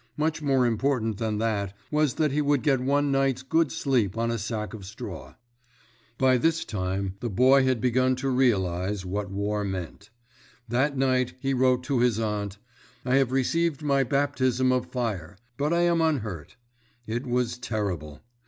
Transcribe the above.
Much more important than that was that he would get one night's good sleep on a sack of straw. By this time the boy had begun to realize what war meant. That night he wrote to his aunt: "I have received my baptism of fire, but I am unhurt. It was terrible.